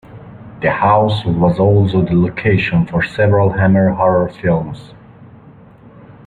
The house was also the location for several Hammer Horror films.